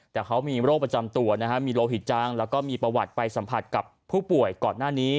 แต่เขามีโรคประจำตัวนะฮะมีโลหิตจังแล้วก็มีประวัติไปสัมผัสกับผู้ป่วยก่อนหน้านี้